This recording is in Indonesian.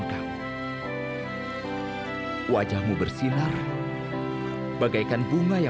sampai jumpa di video selanjutnya